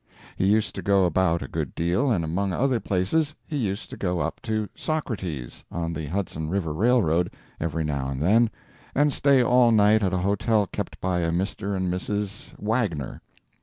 He used to go about a good deal, and among other places, he used to go up to Socrates, on the Hudson River Railroad, every now and then, and stay all night at a hotel kept by a Mr. and Mrs. Wagner.